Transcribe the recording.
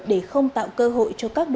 để không tạo cơ hội cho các đối tượng